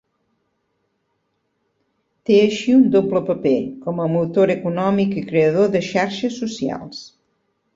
Té així un doble paper, com a motor econòmic i creador de xarxes socials.